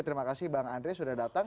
terima kasih bang andre sudah datang